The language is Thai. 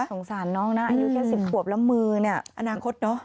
สงสารน้องนะอายุแค่๑๐ขวบละ๑๐๐๐๐บาทอนาคตเนอะ